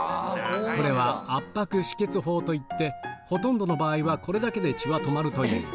これは圧迫止血法といって、ほとんどの場合はこれだけで血は止まるという。